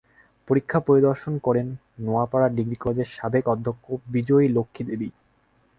পরীক্ষা পরিদর্শন করেন নোয়াপাড়া ডিগ্রি কলেজের সাবেক অধ্যক্ষ বিজয় লক্ষ্মী দেবী।